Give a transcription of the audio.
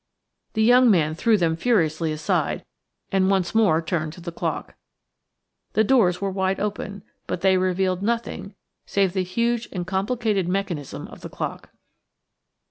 The young man threw them furiously aside, and once more turned to the clock. The doors were wide open, but they revealed nothing save the huge and complicated mechanism of the clock.